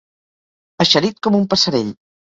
Eixerit com un passerell.